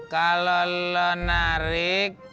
kalau lo narik